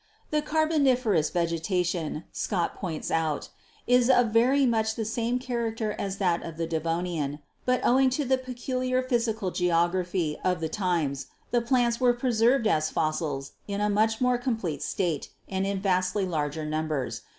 "The Carboniferous vegetation," Scott points out, "is of very much the same character as that of the Devonian, but owing to the peculiar physical geography of the times the plants were preserved as fossils in a much more com plete state and in vastly larger numbers.